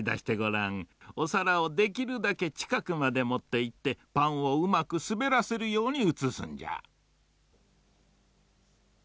おさらをできるだけちかくまでもっていってパンをうまくすべらせるようにうつすんじゃ。